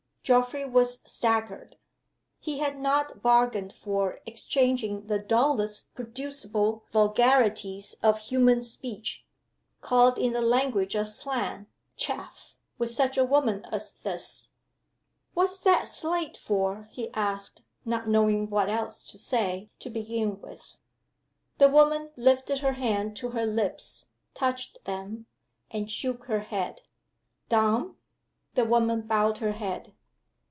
Geoffrey was staggered. He had not bargained for exchanging the dullest producible vulgarities of human speech (called in the language of slang, "Chaff") with such a woman as this. "What's that slate for?" he asked, not knowing what else to say, to begin with. The woman lifted her hand to her lips touched them and shook her head. "Dumb?" The woman bowed her head.